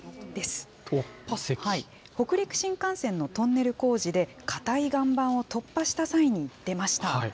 北陸新幹線のトンネル工事で、固い岩盤を突破した際に出ました。